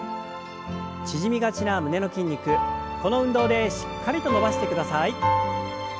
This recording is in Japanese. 縮みがちな胸の筋肉この運動でしっかりと伸ばしてください。